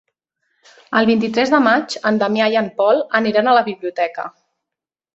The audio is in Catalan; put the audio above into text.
El vint-i-tres de maig en Damià i en Pol aniran a la biblioteca.